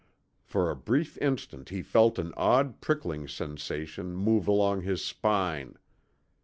For a brief instant he felt an odd prickling sensation move along his spine.